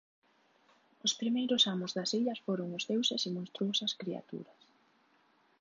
Os primeiros amos das illas foron os deuses e monstruosas criaturas.